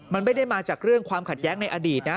มันไม่ได้มาจากเรื่องความขัดแย้งในอดีตนะ